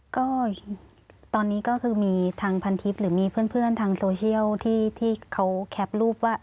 ก็ตอนนี้ก็คือมีทางพันทิพย์หรือมีเพื่อนทางโซเชียลที่เขาแคปรูปว่า